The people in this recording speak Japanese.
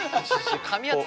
かみ合って。